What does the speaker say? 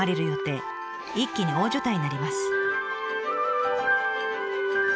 一気に大所帯になります。